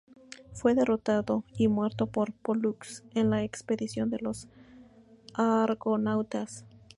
Fue derrotado y muerto por Pólux en la expedición de los argonautas.